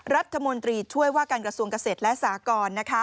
รัฐมนตรีช่วยว่าการกระทรวงเกษตรและสากร